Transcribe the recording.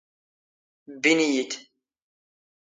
ⴱⴱⵉⵏ ⵉⵢⵉ ⵜ.